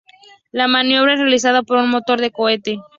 La maniobra es realizada por un motor de cohete.